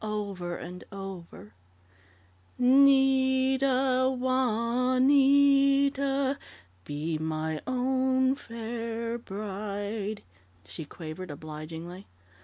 "Over and over 'Nita, Jua a n ita, be my own fair bride'," she quavered obligingly.